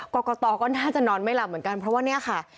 กรกตก็น่าจะนอนไม่หลับเหมือนกันเพราะว่าเนี่ยค่ะ